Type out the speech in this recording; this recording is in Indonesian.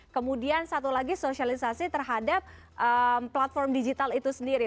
kemudian satu lagi sosialisasi terhadap platform digital itu sendiri